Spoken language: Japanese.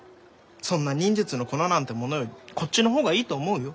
そんな忍術の粉なんてものよりこっちの方がいいと思うよ。